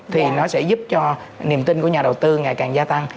thì nó sẽ giúp cho niềm tin của nhà đầu tư ngày càng gia tăng